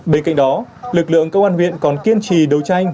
bên cạnh đó lực lượng công an huyện còn kiên trì đấu tranh